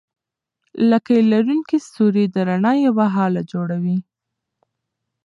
لکۍ لرونکي ستوري د رڼا یوه هاله جوړوي.